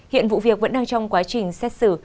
hiện vụ việc vẫn đang trong quá trình xét xử